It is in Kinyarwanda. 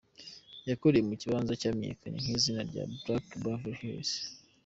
Yakuriye mu kibanza camenyekanye kw'izina rya "Black Beverly Hills".